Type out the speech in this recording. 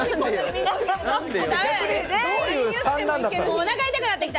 お腹痛くなってきた。